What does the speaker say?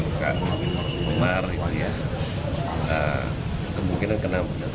luka luka kemar itu ya kemungkinan kena penyakit